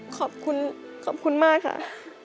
ขอบคุณขอบคุณมากค่ะ